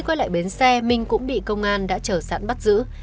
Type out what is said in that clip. quay lại bến xe minh cũng bị công an đã chờ sẵn bắt giữ